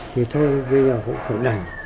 thì thôi bây giờ cũng phải đành